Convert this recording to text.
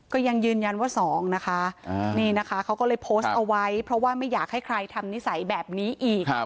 ก็ยังยืนยันว่าสองนะคะนี่นะคะเขาก็เลยโพสต์เอาไว้เพราะว่าไม่อยากให้ใครทำนิสัยแบบนี้อีก